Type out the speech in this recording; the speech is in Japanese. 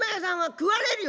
「食われる。